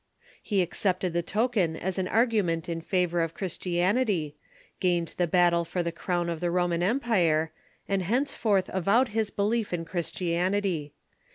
He accepted the token as an argument in favor of Christianity, gained the battle for the crown of the Roman Empire, and henceforth avowed his belief in Christianity.